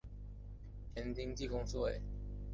前经纪公司为。